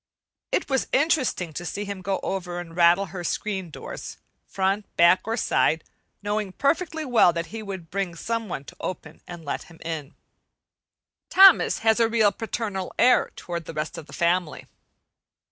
It was interesting to see him go over and rattle her screen doors, front, back, or side, knowing perfectly well that he would bring some one to open and let him in. Thomas has a really paternal air toward the rest of the family.